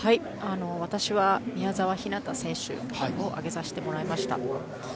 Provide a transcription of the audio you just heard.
私は宮澤ひなた選手を挙げさせてもらいました。